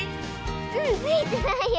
うんついてないよ！